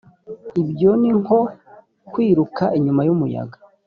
ibyo ni nko kwiruka inyuma y’umuyaga